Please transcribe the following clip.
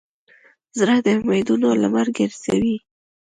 زړه د امیدونو لمر ګرځوي.